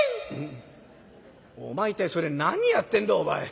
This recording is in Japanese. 「お前一体それ何やってんだ？お前」。